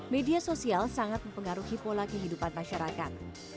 media sosial sangat mempengaruhi pola kehidupan masyarakat